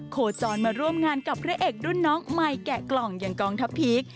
โคจรมาร่วมงานกับพระเอกรุ่นน้องใหม่แกะกล่องอย่างกองทัพพีค